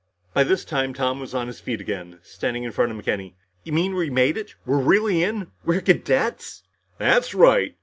By this time Tom was on his feet again, standing in front of McKenny. "You mean, we made it? We're really in? We're cadets?" "That's right."